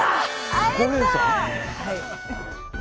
会えた！